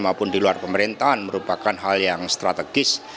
maupun di luar pemerintahan merupakan hal yang strategis